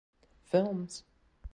Films.